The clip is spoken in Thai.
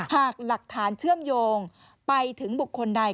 หากหลักฐานเชื่อมโยงไปถึงบุคคลใด